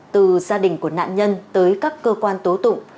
từ gia đình của nạn nhân tới các cơ quan tố tụng